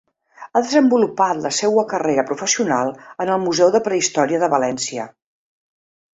Ha desenvolupat la seua carrera professional en el Museu de Prehistòria de València.